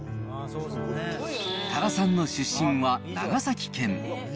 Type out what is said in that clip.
多良さんの出身は長崎県。